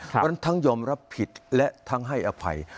เพราะฉะนั้นทั้งยอมรับผิดและทั้งให้อภัย